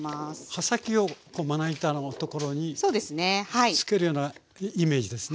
刃先をまな板のところにつけるようなイメージですね。